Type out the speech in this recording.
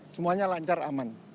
semuanya lancar aman